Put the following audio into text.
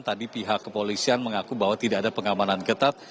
tadi pihak kepolisian mengaku bahwa tidak ada pengamanan ketat